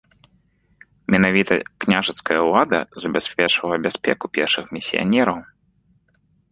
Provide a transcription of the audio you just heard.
Менавіта княжацкая ўлада забяспечвала бяспеку першых місіянераў.